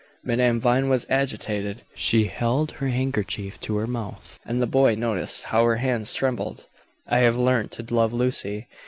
Madame Vine was agitated. She held her handkerchief to her mouth, and the boy noticed how her hands trembled. "I have learnt to love Lucy.